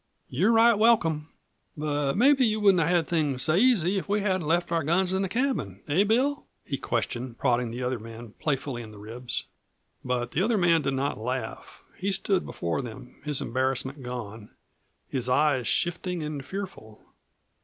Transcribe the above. You're right welcome. But mebbe you wouldn't have had things so easy if we hadn't left our guns in the cabin. Eh, Bill?" he questioned, prodding the other man playfully in the ribs. But the other man did not laugh. He stood before them, his embarrassment gone, his eyes shifting and fearful.